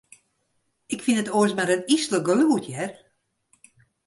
Ik fyn it oars mar in yslik gelûd, hear.